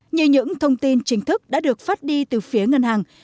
như những thông tin chính thức đã được phát đi từ phía ngân hàng